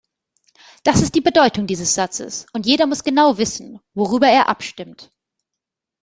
Das ist die Bedeutung dieses Satzes, und jeder muss genau wissen, worüber er abstimmt.